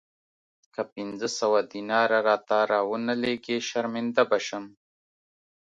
که پنځه سوه دیناره راته را ونه لېږې شرمنده به شم.